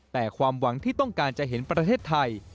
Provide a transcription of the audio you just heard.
แต่ความหวังที่ต้องการจะเห็นประเทศไทย